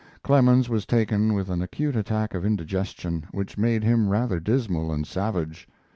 Clemens was taken with an acute attack of indigestion, which made him rather dismal and savage.